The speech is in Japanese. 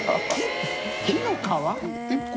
木の皮？